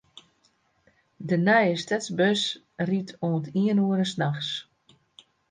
De nije stedsbus rydt oant iene oere nachts.